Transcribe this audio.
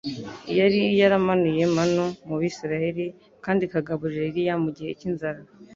Iyari yaramanuye Manu mu Bisirayeli, kandi ikagaburira Eliya mu gihe cy'inzara,